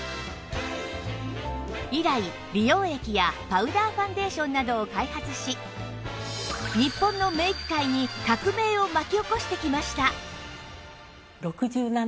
以来美容液やパウダーファンデーションなどを開発し日本のメイク界に革命を巻き起こしてきました